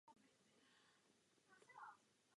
Samozřejmě to nelegální práci nevymýtilo, ale omezilo ji.